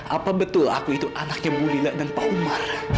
apa betul aku itu anaknya bu lila dan pak umar